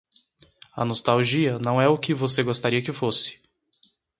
A nostalgia não é o que você gostaria que fosse.